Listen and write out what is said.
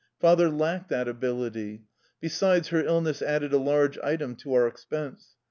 Father lacked that ability. Besides, her illness added a large item to our expense.